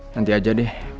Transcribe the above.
nanti aja deh